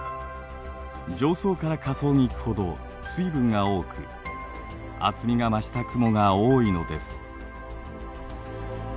上層から下層に行くほど水分が多く厚みが増した雲が多いのです。